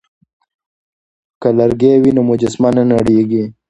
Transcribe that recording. که لرګی وي نو مجسمه نه نړیږي.